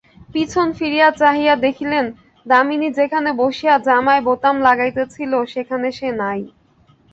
পিছন ফিরিয়া চাহিয়া দেখিলেন, দামিনী যেখানে বসিয়া জামায় বোতাম লাগাইতেছিল সেখানে সে নাই।